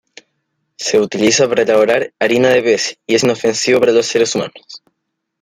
Se utiliza para elaborar harina de pez, y es inofensivo para los seres humanos.